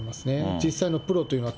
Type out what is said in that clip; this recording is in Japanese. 実際のプロというのは。